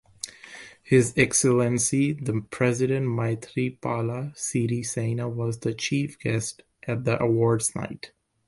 His Excellency The President Maithripala Sirisena was the chief guest at the awards night.